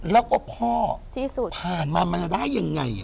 แล้วก็พ่อที่สุดผ่านมามันจะได้ยังไง